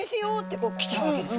この時に来ちゃうわけです。